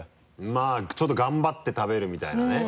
まぁちょっと頑張って食べるみたいなね。